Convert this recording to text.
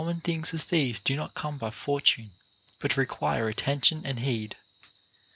mon things as these do not come by Fortune, but require attention and heed.